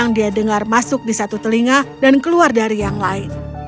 dia menerima sesuatu yang tidak masuk akal di satu telinga dan keluar dari yang lain